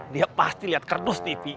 dia pasti lihat kerdus tv